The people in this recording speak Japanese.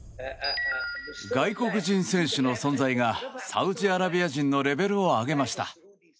外国人選手の存在がサウジアラビア人のレベルを上げました。